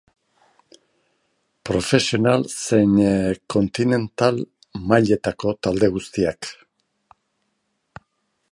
Profesional zein kontinental mailetako talde guztiak.